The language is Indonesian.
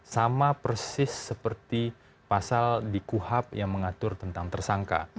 sama persis seperti pasal di kuhap yang mengatur tentang tersangka